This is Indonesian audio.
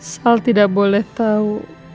sal tidak boleh tahu